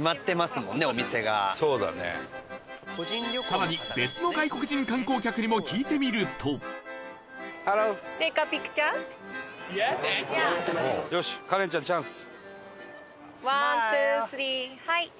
更に、別の外国人観光客にも聞いてみると伊達：よし、カレンちゃんチャンス！